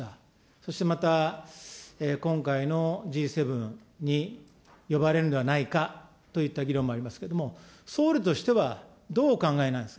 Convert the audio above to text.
そしてまた、今回のＧ７に呼ばれるんではないかという議論もありますけれども、総理としては、どうお考えなんですか。